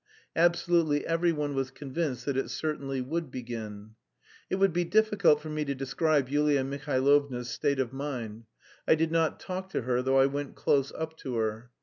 Absolutely every one was convinced that it certainly would begin. It would be difficult for me to describe Yulia Mihailovna's state of mind. I did not talk to her though I went close up to her.